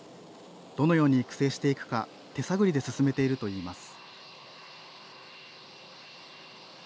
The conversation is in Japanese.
どのように育成していくか手探りで進めているといいます。